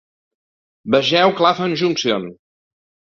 Vegeu Clapham Junction.